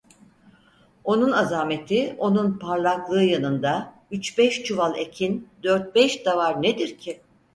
Onun azameti, onun parlaklığı yanında üç beş çuval ekin, dört beş davar nedir ki?